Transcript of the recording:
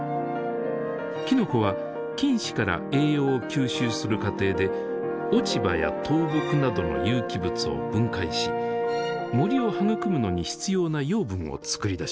きのこは菌糸から栄養を吸収する過程で落ち葉や倒木などの有機物を分解し森を育むのに必要な養分をつくり出します。